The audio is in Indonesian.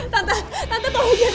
tante tante tahu ya